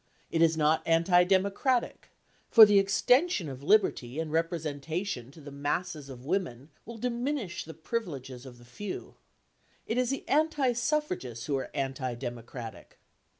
It is not anti democratic; for the extension of liberty and representation to the masses of women will diminish the privileges of the few. It is the anti suffragists who are anti democratic.